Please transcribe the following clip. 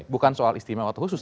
bukan soal istimewa atau khusus